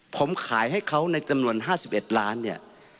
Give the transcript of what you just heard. ผมขายให้เขาในจำนวน๕๑ล้านเนี่ย